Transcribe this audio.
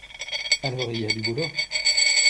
Alors, il y a du boulot!